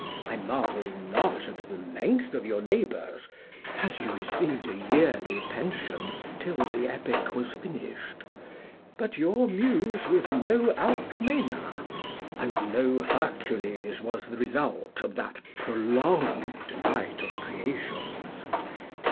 I marvel not at the length of your labours, as you received a yearly pension till the Epic was finished, but your Muse was no Alcmena, and no Hercules was the result of that prolonged night of creations.